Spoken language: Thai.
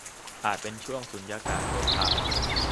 อาจเป็นช่วงสุญญากาศชั่วคราว